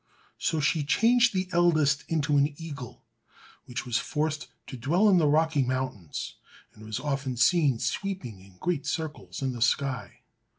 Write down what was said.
So she changed the eldest into an eagle, which was forced to dwell in the rocky mountains, and was often seen sweeping in great circles in the sky.